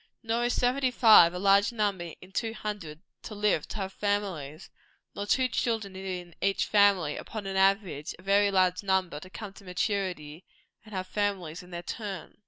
Nor is seventy five a large number in two hundred to live to have families; nor two children in each family, upon an average, a very large number to come to maturity and have families in their turn.